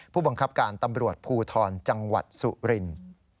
ผู้บังคับการตำรวจภูทรจังหวัดสุรินทร์